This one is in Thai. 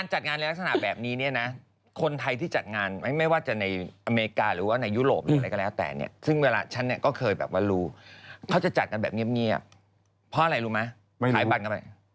หาเดี๋ยวผมค่อยเล่าให้ฟัง